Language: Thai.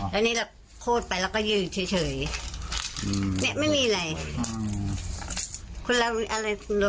แล้วนี่เราโค้ดไปแล้วก็ยืนเฉยเฉยเหอะนี่ไม่มีไรคุณแล้ว